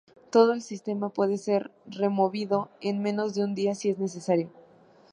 Todo el sistema puede ser removido en menos de un día si es necesario.